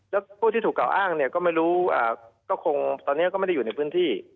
แล้วผู้ที่ถูกกล่าอ้างเนี่ยก็ไม่รู้ก็คงตอนนี้ก็ไม่ได้อยู่ในพื้นที่